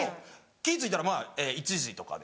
気付いたら１時とかで。